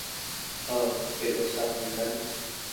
Oh, it was subtly done.